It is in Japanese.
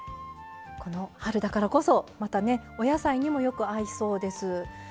この春だからこそまたねお野菜にもよく合いそうです。